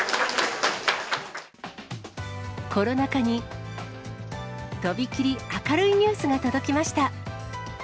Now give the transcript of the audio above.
コロナ禍に、飛び切り明るいニュースが届きました。